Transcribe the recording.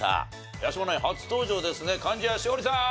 八嶋ナイン初登場ですね貫地谷しほりさん！